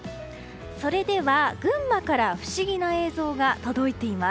それでは、群馬から不思議な映像が届いています。